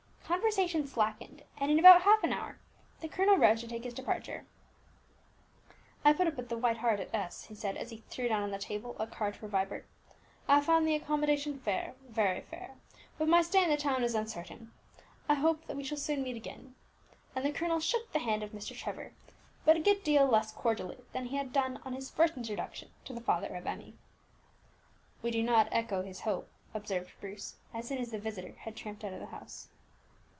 Conversation slackened, and in about half an hour the colonel rose to take his departure. "I put up at the White Hart at S ," said he, as he threw down on the table a card for Vibert. "I find the accommodation fair, very fair, but my stay in the town is uncertain. I hope that we shall soon meet again," and the colonel shook the hand of Mr. Trevor, but a good deal less cordially than he had done on his first introduction to the father of Emmie. "We do not echo his hope," observed Bruce, as soon as the visitor had tramped out of the house.